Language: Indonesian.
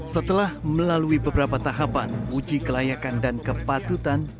setelah melalui beberapa tahapan uji kelayakan dan kepatutan